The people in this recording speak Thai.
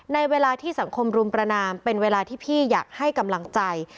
ในเวลาที่สังคมรุมประนามเป็นเวลาที่พี่อยากให้กำลังใจ